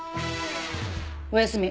おやすみ。